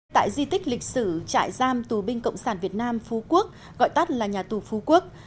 tại di tích lịch sử trại giam tù binh cộng sản việt nam phú quốc gọi tắt là nhà tù phú quốc